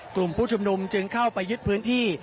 กลุ่มผู้ชุมนุมจึงเข้าไปยึดพื้นที่